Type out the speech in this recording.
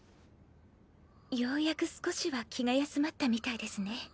ようやく少しは気が休まったみたいですね。